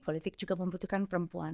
politik juga membutuhkan perempuan